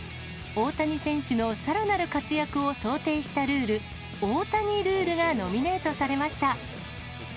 大谷選手のさらなる活躍を想定したルール、大谷ルールがノミネートされました。